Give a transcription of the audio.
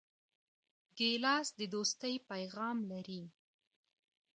ګیلاس د دوستۍ پیغام لري.